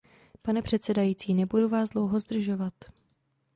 Pane předsedající, nebudu vás dlouho zdržovat.